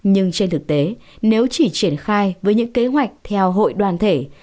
nhưng trên thực tế nếu chỉ triển khai với những kế hoạch theo hội đoàn thể